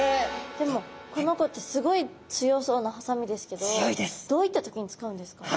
でもこの子ってすごい強そうなハサミですけどどういった時に使うんですか？